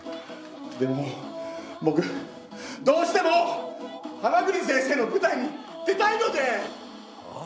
でも僕どうしても浜栗先生の舞台に出たいのではぁ？